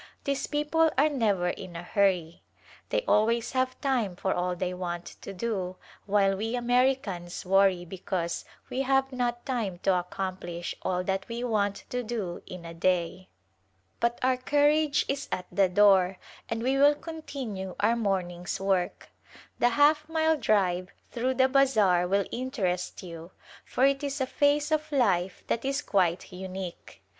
These people are never in a hurry. They al ways have time for all they want to do while we Americans worry because we have not time to ac complish all that we want to do in a day. But our carriage is at the door and we will con [>03] A Glhnpse of India tinue our morning's work. The half mile drive through the bazar will interest you for it is a phase of life that is quite unique.